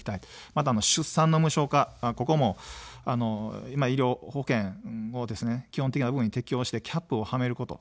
また、出産の無償化、ここも医療保険を基本的に適用してキャップをはめること。